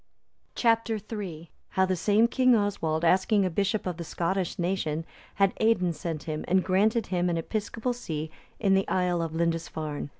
Chap. III. How the same king Oswald, asking a bishop of the Scottish nation, had Aidan sent him, and granted him an episcopal see in the Isle of Lindisfarne.